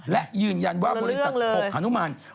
และยืนยันว่าบริษัท๖ฮนุมาน